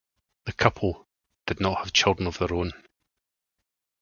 The couple did not have children of their own.